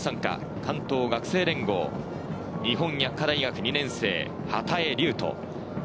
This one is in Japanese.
・関東学生連合、日本薬科大学２年生・波多江隆人。